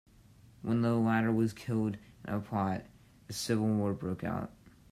When the latter was killed in a plot, a civil war broke out.